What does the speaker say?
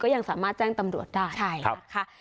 ก็ยังสามารถแจ้งตำรวจได้ใช่ครับค่ะ